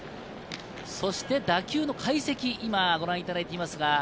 打球の解析をご覧いただいています。